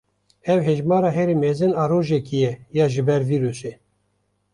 Ev hejmara herî mezin a rojekê ye ya ji ber vîrusê.